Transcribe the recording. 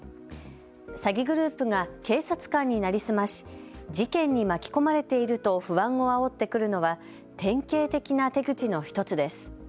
詐欺グループが警察官に成り済まし事件に巻き込まれていると不安をあおってくるのは典型的な手口の１つです。